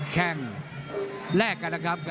อ๋อแข้งแรกกันนะครับ